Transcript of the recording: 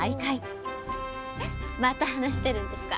また話してるんですか？